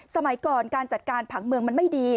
สมัยก่อนการจัดการผังเมืองมันไม่ดี